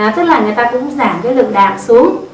tức là người ta cũng giảm cái lượng đạm xuống